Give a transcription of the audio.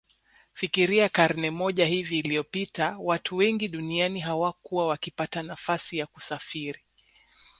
Fikiria karne moja hivi iliyopita watu wengi duniani hawakuwa wakipata nafasi ya kusafiri